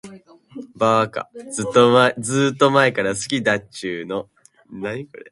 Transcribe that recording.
ばーか、ずーっと前から好きだっちゅーの。